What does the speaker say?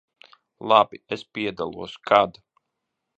Labi, es piedalos. Kad?